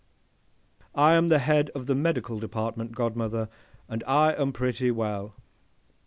'—'I am the Head of the Medical Department, godmother, and I am pretty well.